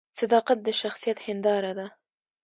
صداقت د شخصیت هنداره ده